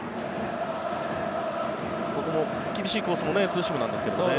ここも厳しいコースのツーシームなんですけどもね。